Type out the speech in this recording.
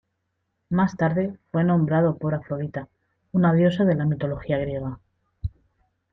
Más tarde fue nombrado por Afrodita, una diosa de la mitología griega.